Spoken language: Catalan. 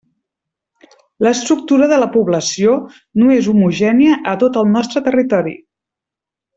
L'estructura de la població no és homogènia a tot el nostre territori.